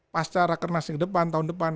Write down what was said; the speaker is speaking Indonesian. pasca rakernas ke depan tahun depan